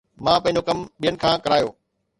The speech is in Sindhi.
مان پنهنجو ڪم ٻين کان ڪرايو